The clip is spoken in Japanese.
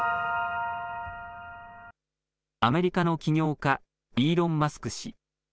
アメリカの起業家、イーロン・マスク氏。